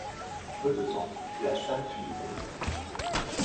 En peu de temps, la salle fut déserte.